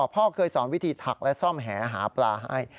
พ่อเคยสอนวิธีถักและซ่อมแหหาปลาให้